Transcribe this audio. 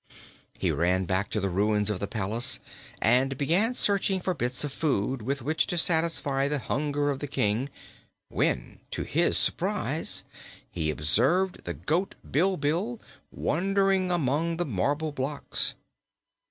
He ran back to the ruins of the palace and began searching for bits of food with which to satisfy the hunger of the King, when to his surprise he observed the goat, Bilbil, wandering among the marble blocks.